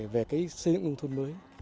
về cái xây dựng thông mới